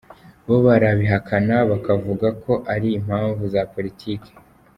Bo barabihakana bakavugako ari impamvu za politiki.